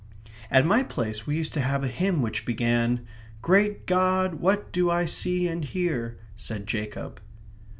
"At my place we used to have a hymn which began /* Great God, what do I see and hear?" */ said Jacob.